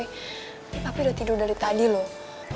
ini papi udah tidur dari tadi loh